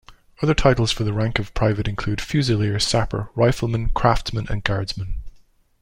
Other titles for the rank of private include fusilier, sapper, rifleman, craftsman, and guardsman.